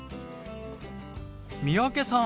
三宅さん